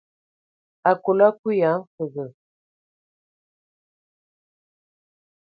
Akol akui ya a mfənge.